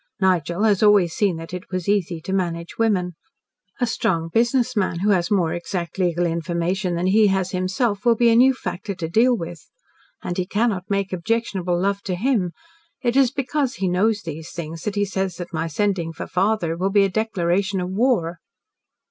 Nigel has always seen that it was easy to manage women. A strong business man who has more exact legal information than he has himself will be a new factor to deal with. And he cannot make objectionable love to him. It is because he knows these things that he says that my sending for father will be a declaration of war."